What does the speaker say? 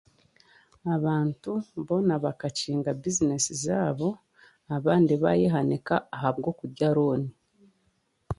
Abantu boona bakakinga bizinesi zaabo abandi baayehanika ahabwokurya rooni.